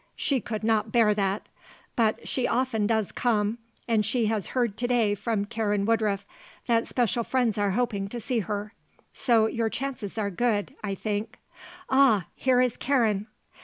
She could not bear that. But she often does come; and she has heard to day from Karen Woodruff that special friends are hoping to see her. So your chances are good, I think. Ah, here is Karen."